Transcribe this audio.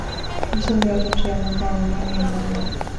Mshindi wa tuzo ya mwaka ya Amani ya Nobel